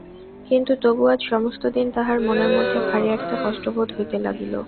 কিন্তু তবু আজ সমস্ত দিন তাহার মনের মধ্যে ভারি একটা কষ্ট বোধ হইতে লাগিল।